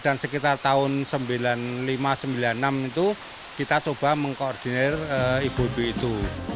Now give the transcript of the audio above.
dan sekitar tahun sembilan puluh lima sembilan puluh enam itu kita coba mengkoordinir ibu ibu itu